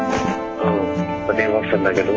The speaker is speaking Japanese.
「うん。電話したんだけど」。